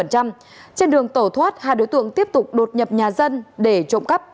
trên đường tẩu thoát hai đối tượng tiếp tục đột nhập nhà dân để trộm cắp